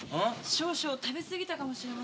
少々食べ過ぎたかもしれません。